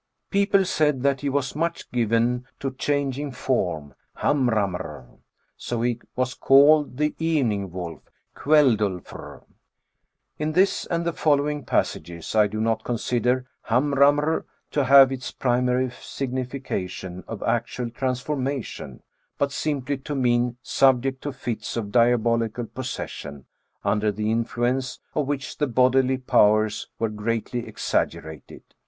" People said that he was much given to changing form {hamrammr), so he was called the evening wolf, kveldtilfrJ" — (c. 1.) In this and the following passages, I do not consider hamrammr to have its primary signifi cation of actual transformation, but simply to mean sub ject to fits of diabolical possession, under the influence of which the bodily powers were greatly exaggerated.